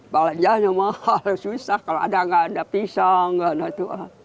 belanjanya mahal susah kalau ada nggak ada pisang nggak ada itu